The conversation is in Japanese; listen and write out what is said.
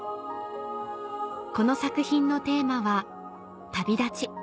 この作品のテーマは「旅立ち」